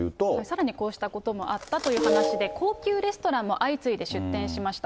さらにこうしたこともあったという話で、高級レストランも相次いで出店しました。